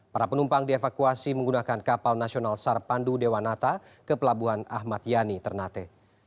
para penumpang dievakuasi menggunakan kapal nasional sarpandu dewanata ke pelabuhan ahmad yani ternate